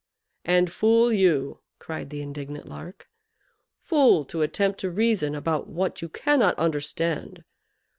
"And fool you!" cried the indignant Lark. "Fool, to attempt to reason about what you cannot understand!